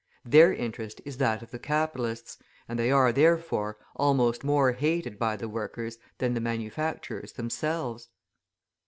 Their interest is that of the capitalists, and they are, therefore, almost more hated by the workers than the manufacturers themselves.